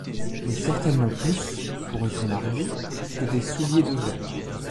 Mais certainement plus, pourrait-on arguer, que des souliers de verre.